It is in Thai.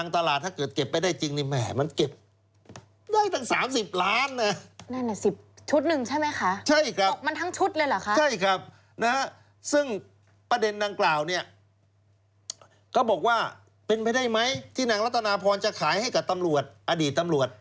ที่นางลัตนาพรจะขายให้กับอดีตตำรวจ